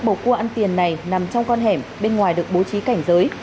bộ cua ăn tiền này nằm trong con hẻm bên ngoài được bố trí cảnh giới